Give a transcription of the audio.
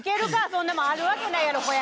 そんなもんあるわけないやろ小屋に。